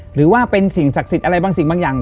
หรือว่าเป็นสิ่งศักดิ์สิทธิ์อะไรบางสิ่งบางอย่าง